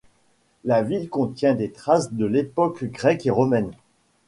La ville contient des traces de l’époque grecque et romaine.